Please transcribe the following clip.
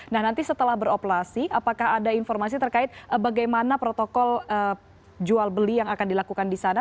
nah nanti setelah beroperasi apakah ada informasi terkait bagaimana protokol jual beli yang akan dilakukan di sana